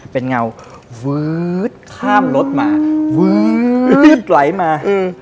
เป็นเงาวื้อดข้ามรถมาวื้อดไหลมา